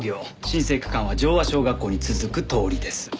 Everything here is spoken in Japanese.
申請区間は条和小学校に続く通りです。